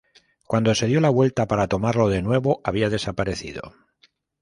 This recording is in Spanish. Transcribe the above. Cuando se dio la vuelta para tomarlo de nuevo, había desaparecido.